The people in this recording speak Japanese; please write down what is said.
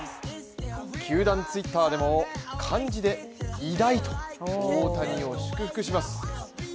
球団Ｔｗｉｔｔｅｒでも漢字で「偉大」と大谷を祝福します。